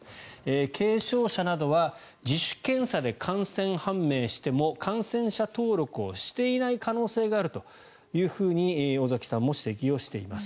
軽症者などは自主検査で感染判明しても感染者登録をしていない可能性があるというふうに尾崎さんも指摘をしています。